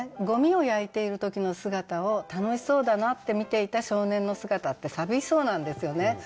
ゴミを焼いている時の姿を楽しそうだなって見ていた少年の姿って寂しそうなんですよね。